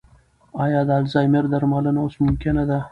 ایا د الزایمر درملنه اوس ممکنه ده؟